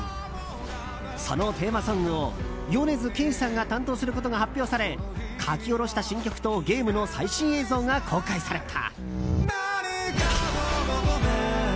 そのテーマソングを米津玄師さんが担当することが発表され書き下ろした新曲とゲームの最新映像が公開された。